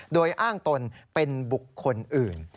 โดยอ้างตนเป็นบุคคลอื่น